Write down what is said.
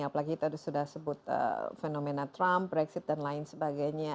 apalagi tadi sudah sebut fenomena trump brexit dan lain sebagainya